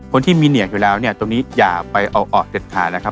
คนที่มีเหนียงอยู่แล้วเนี่ยตรงนี้อย่าไปเอาออกเด็ดขาดนะครับ